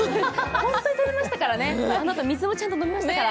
本当に食べましたからね、そのあと水もちゃんと飲みましたから。